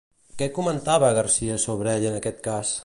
Què comentava García sobre ell en aquest cas?